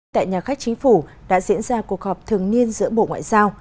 tại nhà khách chính phủ đã diễn ra cuộc họp thường niên giữa bộ ngoại giao